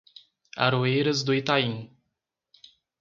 Aroeiras do Itaim